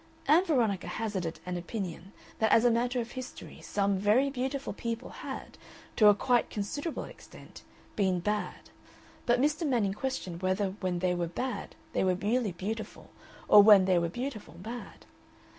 Ann Veronica hazarded an opinion that as a matter of history some very beautiful people had, to a quite considerable extent, been bad, but Mr. Manning questioned whether when they were bad they were really beautiful or when they were beautiful bad.